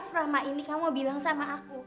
selama ini kamu bilang sama aku